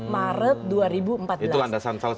salah satu landasan